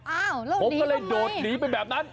อ้าวแล้วดีทำไมผมก็เลยโดดหนีไปแบบนั้น